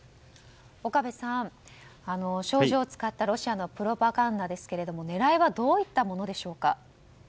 岡部さん、少女を使ったロシアのプロパガンダですが狙いはどういったものでしょうか。